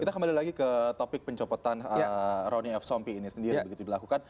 kita kembali lagi ke topik pencopotan rony f sompi ini sendiri begitu dilakukan